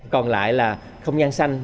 còn lại là không gian xanh